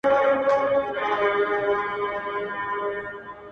تعبیر مي کړی پر ښه شګون دی -